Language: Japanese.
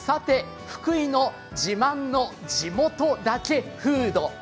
福井の自慢の地元だけフード。